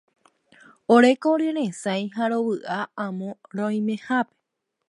Oréko oreresãi ha rovy'a amo roimehápe.